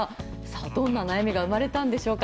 どんな悩みが生まれたんでしょうか。